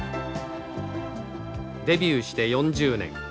デビューして４０年。